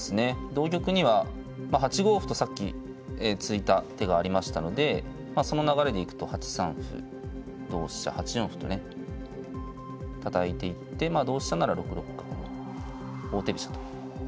同玉には８五歩とさっき突いた手がありましたのでその流れでいくと８三歩同飛車８四歩とねたたいていって同飛車なら６六角の王手飛車と。